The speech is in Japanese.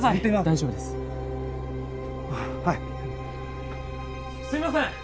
大丈夫ですああはいすいません！